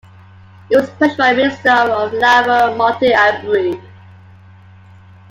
It was pushed by Minister of Labour Martine Aubry.